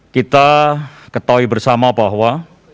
kita ketahui bersama bahwa